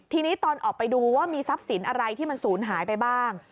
ทีนี้ตอนออกไปดูว่ามีทรัพย์สินอะไรที่มันศูนย์หายไปบ้าง